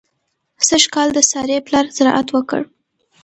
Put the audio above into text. سږ کال د سارې پلار زراعت وکړ.